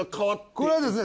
これはですね